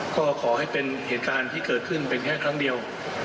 ก็ขอให้เป็นเหตุการณ์ที่เกิดขึ้นเป็นแค่ครั้งเดียว